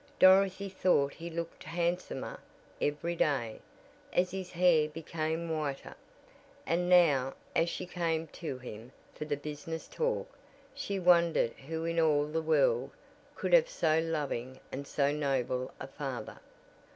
Dorothy thought he looked handsomer every day, as his hair became whiter, and now as she came to him for the business talk, she wondered who in all the world could have so loving and so noble a father.